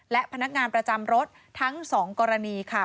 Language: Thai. และพนักงานประจำรถทั้ง๒กรณีค่ะ